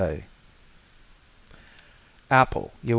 A. Apple _U.